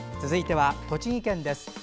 続いては、栃木県です。